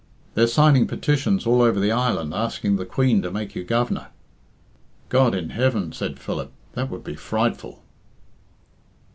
"They're signing petitions all over the island, asking the Queen to make you Governor." "God in heaven!" said Philip; "that would be frightful."